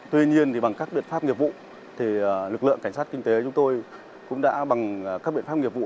tuy nhiên bằng các biện pháp nghiệp vụ lực lượng cảnh sát kinh tế chúng tôi cũng đã bằng các biện pháp nghiệp vụ